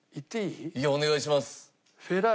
いやお願いします。